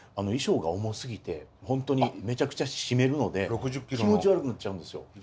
衣装が重すぎてほんとにめちゃくちゃ締めるので気持ち悪くなっちゃうんですよ。